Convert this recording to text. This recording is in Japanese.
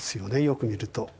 よく見ると。